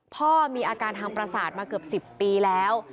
พ่อมีอาการทางประสาทมาเกือบ๑๐ปีแล้ว